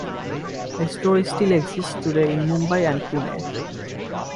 The store still exists today in Mumbai and Pune.